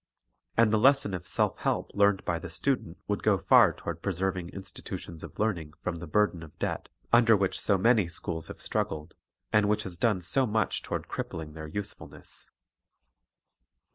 And the lesson of self help learned by the student would go far toward preserving institutions of learning from the burden of debt under which so many schools have struggled, and which has done so much toward crippling their usefulness.